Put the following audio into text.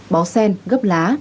báo sen gấp lá